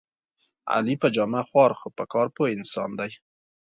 علي په جامه خوار خو په کار پوره انسان دی.